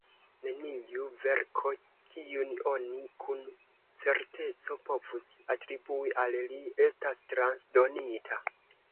Neniu verko, kiun oni kun certeco povus atribui al li, estas transdonita.